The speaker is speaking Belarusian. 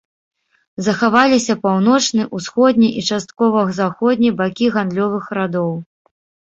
Захаваліся паўночны, усходні і часткова заходні бакі гандлёвых радоў.